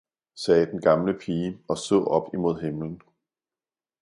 sagde den gamle pige og så op imod himlen.